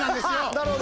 なるほど。